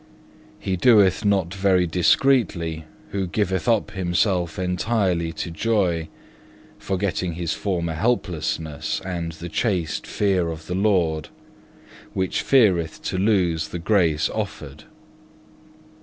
He doeth not very discreetly who giveth up himself entirely to joy, forgetting his former helplessness and the chaste fear of the Lord, which feareth to lose the grace offered.